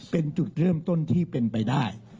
เป็นจุดเริ่มต้นที่เป็นไปได้